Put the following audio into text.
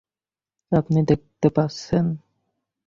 আপনি দেখতে পাচ্ছেন?